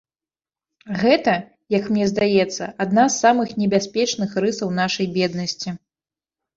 Гэта, як мне здаецца, адна з самых небяспечных рысаў нашай беднасці.